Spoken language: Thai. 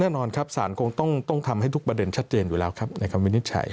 แน่นอนครับสารคงต้องทำให้ทุกประเด็นชัดเจนอยู่แล้วครับในคำวินิจฉัย